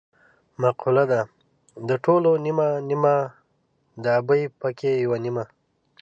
مقوله ده: د ټولو نیمه نیمه د ابۍ پکې یوه نیمه.